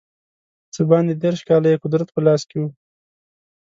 څه باندې دېرش کاله یې قدرت په لاس کې وو.